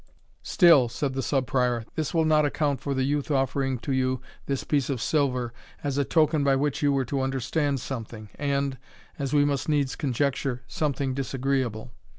"Still," said the Sub Prior, "this will not account for the youth offering to you this piece of silver, as a token by which you were to understand something, and, as we must needs conjecture, something disagreeable."